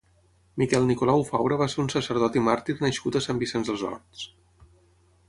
Miquel Nicolau Faura va ser un sacerdot i màrtir nascut a Sant Vicenç dels Horts.